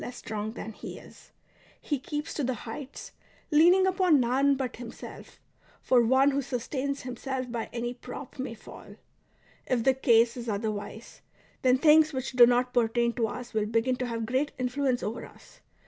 less strong than he is ; he keeps to the heights, leaning upon none but himself; for one who sustains himself by any prop may fall. If the case is other wise, then things w^hich do not pertain to us will begin to have great influence over us.